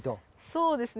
そうですね。